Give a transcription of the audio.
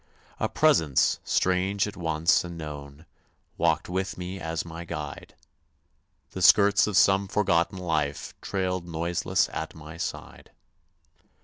A presence, strange at once and known, Walked with me as my guide; The skirts of some forgotten life Trailed noiseless at my side.